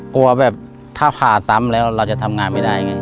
กลัวแบบถ้าผ่าซ้ำแล้วเราจะทำงานไม่ได้ไง